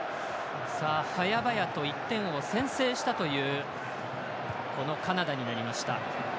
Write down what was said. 早々と１点を先制したというカナダになりました。